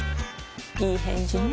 いい返事ね